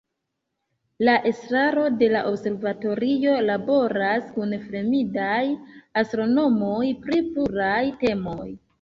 La estraro de la observatorio laboras kun fremdaj astronomoj pri pluraj temoj.